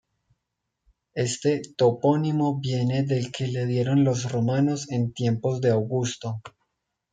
Este topónimo viene del que le dieron los romanos en tiempos de Augusto.